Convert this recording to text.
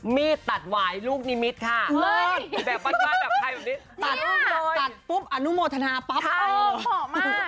มีดตัดหวายลูกนิมิตค่ะแบบปั๊ดแบบใครแบบนี้ตัดปุ๊บอนุโมธนาปั๊บ